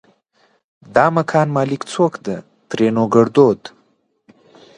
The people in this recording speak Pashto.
دا مکان مالک چوک ده؛ ترينو ګړدود